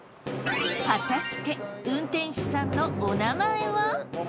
果たして運転手さんのお名前は？